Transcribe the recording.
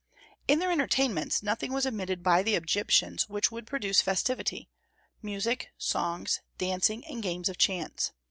In their entertainments nothing was omitted by the Egyptians which would produce festivity, music, songs, dancing, and games of chance.